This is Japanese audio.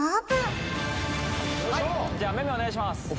じゃあめめお願いします